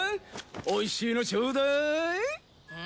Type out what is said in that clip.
おいしいのちょうだい。